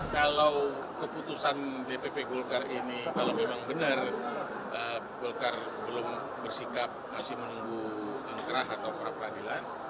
kalau keputusan dpp golkar ini kalau memang benar golkar belum bersikap masih menunggu angkrah atau pra peradilan